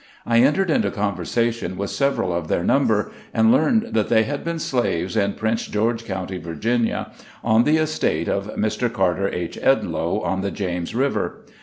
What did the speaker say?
I entered into conversation with several of their num ber, and learned that they had been slaves in Prince George County, Virginia, on the estate of Mr. Car ter H. Edloe, on the James River.